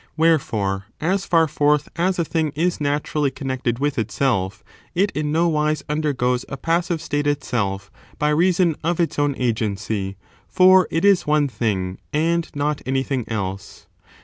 Wherefore, as &x forth as a tiling is naturally connected with itself it in no wise under goes a passive state itself, by reason of its own agency, for it is one thing, and not anything else.